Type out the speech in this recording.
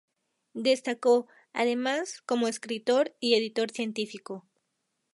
Destacó, además, como escritor y editor científico.